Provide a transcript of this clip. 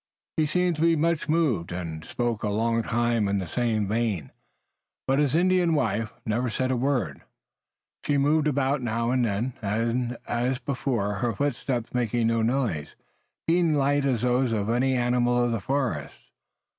He seemed to be much moved, and spoke a long time in the same vein, but his Indian wife never said a word. She moved about now and then, and, as before, her footsteps making no noise, being as light as those of any animal of the forest.